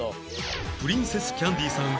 プリンセスキャンディさん